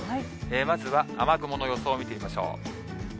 まずは雨雲の予想を見てみましょう。